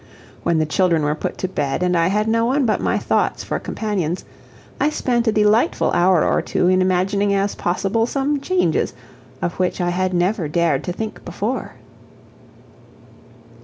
When the children were put to bed, and I had no one but my thoughts for companions, I spent a delightful hour or two in imagining as possible some changes of which I had never dared to think before.